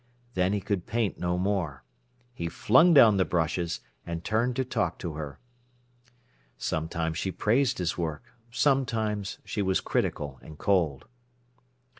Then he could paint no more. He flung down the brushes, and turned to talk to her. Sometimes she praised his work; sometimes she was critical and cold.